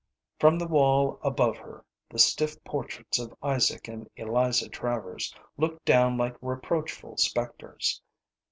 From the wall above her, the stiff portraits of Isaac and Eliza Travers looked down like reproachful spectres.